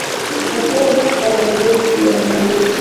wachina walijificha kwenye boti chini ya blanketi